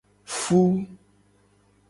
Fu.